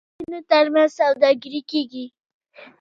د ولایتونو ترمنځ سوداګري کیږي.